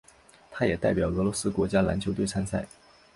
他也代表俄罗斯国家篮球队参赛。